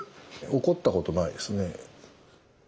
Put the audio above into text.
怒ったことないですね。